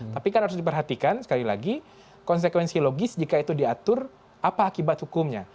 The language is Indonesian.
tapi kan harus diperhatikan sekali lagi konsekuensi logis jika itu diatur apa akibat hukumnya